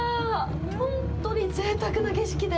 本当にぜいたくな景色で。